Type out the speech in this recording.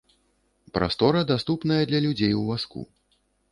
Прастора даступная для людзей у вазку.